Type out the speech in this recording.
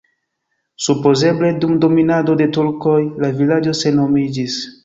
Supozeble dum dominado de turkoj la vilaĝo senhomiĝis.